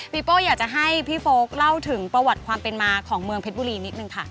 โป้อยากจะให้พี่โฟลกเล่าถึงประวัติความเป็นมาของเมืองเพชรบุรีนิดนึงค่ะ